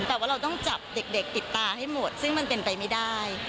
แต่ว่าเราต้องจับเด็กติดตาให้หมดซึ่งมันเป็นไปไม่ได้